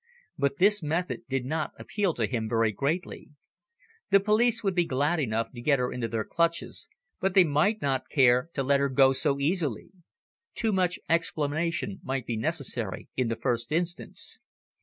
But this method did not appeal to him very greatly. The police would be glad enough to get her into their clutches, but they might not care to let her go so easily. Too much explanation might be necessary, in the first instance.